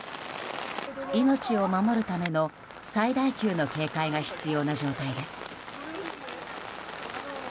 命を守るための最大級の警戒が必要な状態です。